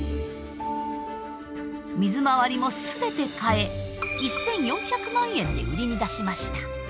水回りも全て変え１，４００万円で売りに出しました。